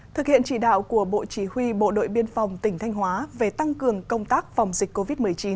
thực hiện chỉ đạo của bộ chỉ huy bộ đội biên phòng tỉnh thanh hóa về tăng cường công tác phòng dịch covid một mươi chín